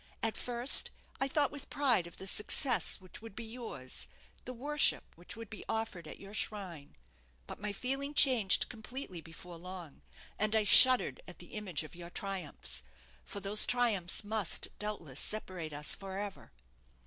"At first I thought with pride of the success which would be yours, the worship which would be offered at your shrine; but my feeling changed completely before long, and I shuddered at the image of your triumphs, for those triumphs must, doubtless, separate us for ever.